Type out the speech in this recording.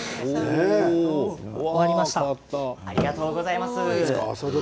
ありがとうございます。